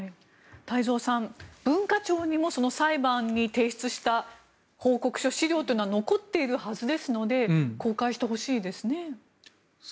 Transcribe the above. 太蔵さん、文化庁にも裁判に提出した報告書資料というのは残っているはずですので公開してほしいですね。